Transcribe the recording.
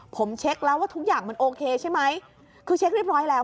ผมเช็คแล้วว่าทุกอย่างมันโอเคใช่ไหมคือเช็คเรียบร้อยแล้ว